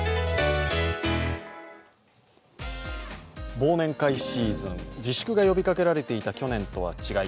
忘年会シーズン自粛が呼びかけられていた去年と違い